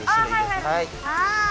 はい。